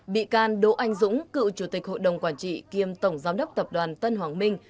bị can đỗ anh dũng cựu chủ tịch hội đồng quản trị kiêm tổng giám đốc tập đoàn tân hoàng minh